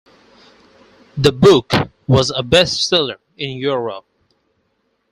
The book was a bestseller in Europe.